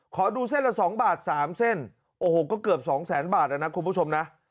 ขอดูเส้นละ๒บาท๓เส้นโอ้โหก็เกือบสองแสนบาทนะคุณผู้ชมนะ